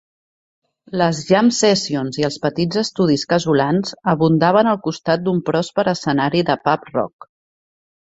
Les jam-sessions i els petits estudis casolans abundaven al costat d'un pròsper escenari de pub rock.